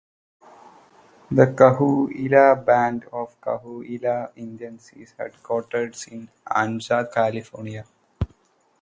The Cahuilla Band of Cahuilla Indians is headquartered in Anza, California.